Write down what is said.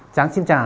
tráng xin trả